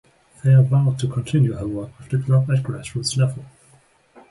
Fair vowed to continue her work with the club at grass roots level.